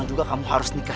apakah kamu bisa mencoba